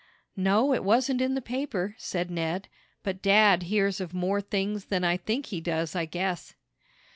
"No, it wasn't in the paper," said Ned, "but dad hears of more things than I think he does, I guess."